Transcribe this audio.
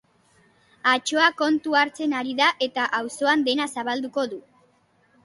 Atsoa kontu hartzen ari da eta auzoan dena zabalduko du.